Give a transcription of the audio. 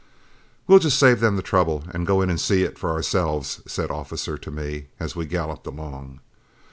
"We'll just save them the trouble, and go in and see it for ourselves," said Officer to me, as we galloped along.